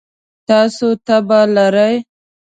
تاسو تبه لرئ؟